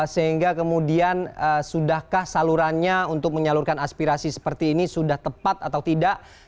sehingga kemudian sudahkah salurannya untuk menyalurkan aspirasi seperti ini sudah tepat atau tidak